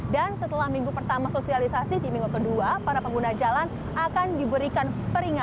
dan setelah minggu pertama sosialisasi di minggu kedua para pengguna jalan akan diberikan peringatan